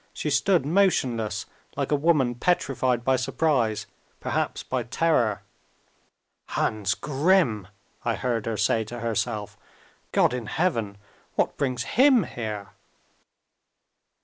She stood motionless, like a woman petrified by surprise perhaps by terror. "Hans Grimm!" I heard her say to herself. "God in heaven! what brings him here?"